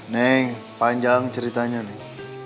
neng panjang ceritanya neng